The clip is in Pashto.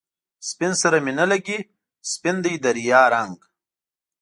سپين سره می نه لګي، سپین دی د ریا رنګ